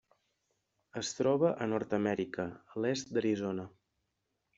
Es troba a Nord-amèrica: l'est d'Arizona.